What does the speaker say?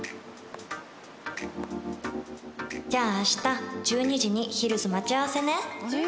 「じゃあ明日１２時にヒルズ待ち合わせね！」